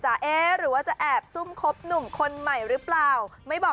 เอ๊ะหรือว่าจะแอบซุ่มคบหนุ่มคนใหม่หรือเปล่าไม่บอก